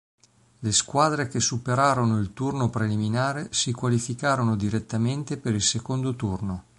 Le squadre che superarono il turno preliminare si qualificarono direttamente per il secondo turno.